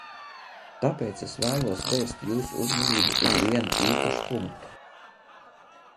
Tāpēc es vēlos vērst jūsu uzmanību uz vienu īpašu punktu.